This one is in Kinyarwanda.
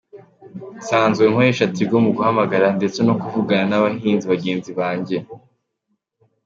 Nsanzwe nkoresha Tigo mu guhamagara, ndetse no kuvugana n’abahinzi bagenzi banjye.